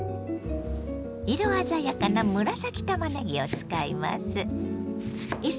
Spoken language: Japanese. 色鮮やかな紫たまねぎを使います。